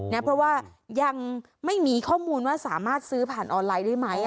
เพราะว่ายังไม่มีข้อมูลว่าสามารถซื้อผ่านออนไลน์ได้ไหม